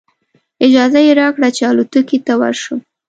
اجازه یې راکړه چې الوتکې ته ورشم.